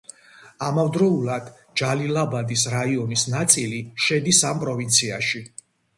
ამავდროულად, ჯალილაბადის რაიონის ნაწილი შედის ამ პროვინციაში.